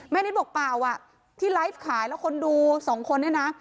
นิดบอกเปล่าอ่ะที่ไลฟ์ขายแล้วคนดูสองคนเนี่ยนะ